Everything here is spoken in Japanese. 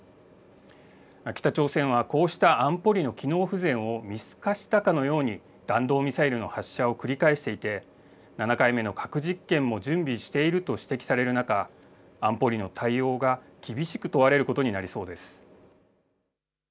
北朝鮮は、こうした安保理の機能不全を見透かしたかのように、弾道ミサイルの発射を繰り返していて、７回目の核実験も準備していると指摘される中、安保理の対応が厳しく問われることになりそうです。